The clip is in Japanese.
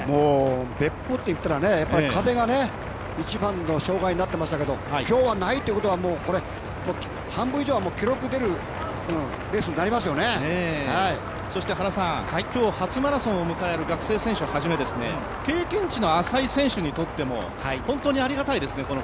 別府といったら風が一番の障害になってましたけど今日は、ないということは、半分以上は記録が出る今日初マラソンを迎える学生をはじめ経験値の浅い選手にとっても本当にありがたいですね。